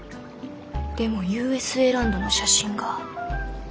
でもＵＳＡランドの写真が。